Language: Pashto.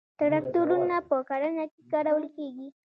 تراکتورونه په کرنه کې کارول کیږي